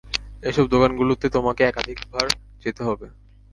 এইসব দোকানগুলোতে তোমাকে একাধিকবার যেতে হবে।